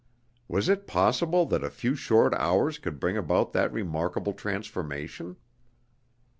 Was it possible that a few short hours could bring about that remarkable transformation?